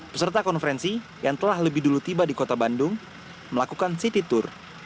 peserta konferensi yang telah lebih dulu tiba di kota bandung melakukan city tour